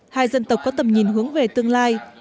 hai dân tộc có tầm nhìn hướng về tương lai